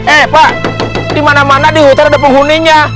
eh pak dimana mana di hutan ada penghuninya